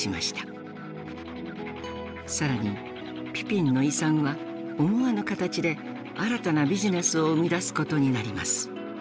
更にピピンの遺産は思わぬ形で新たなビジネスを生み出すことになります。